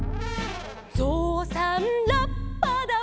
「ぞうさんラッパだ」